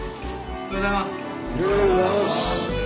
おはようございます。